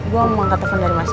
gua mau angkat telepon dari masa